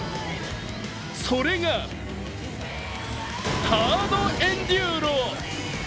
それが、ハードエンデューロ。